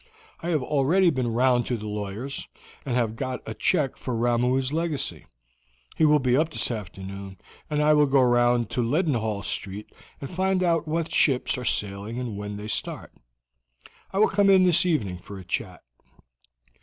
I have already been round to the lawyer's, and have got a check for Ramoo's legacy. He will be up this afternoon, and I will go round to Leadenhall Street and find out what ships are sailing and when they start. I will come in this evening for a chat."